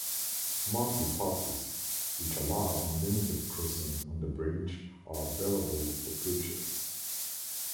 Monthly passes, which allow unlimited crossing on the bridge, are available for purchase.